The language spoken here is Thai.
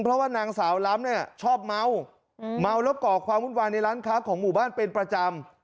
เพราะว่านางสาวล้ำเนี่ยชอบเมาเมาแล้วก่อความวุ่นวายในร้านค้าของหมู่บ้านเป็นประจำ